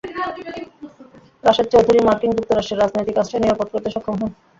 রাশেদ চৌধুরী মার্কিন যুক্তরাষ্ট্রে রাজনৈতিক আশ্রয় নিরাপদ করতে সক্ষম হন।